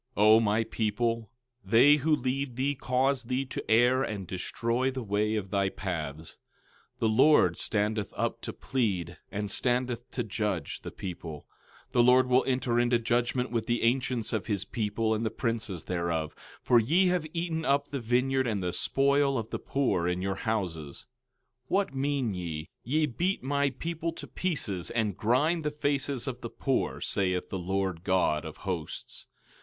O my people, they who lead thee cause thee to err and destroy the way of thy paths. 13:13 The Lord standeth up to plead, and standeth to judge the people. 13:14 The Lord will enter into judgment with the ancients of his people and the princes thereof; for ye have eaten up the vineyard and the spoil of the poor in your houses. 13:15 What mean ye? Ye beat my people to pieces, and grind the faces of the poor, saith the Lord God of Hosts.